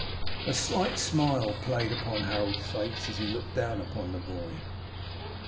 A slight smile played upon Harold's face as he looked down upon the boy.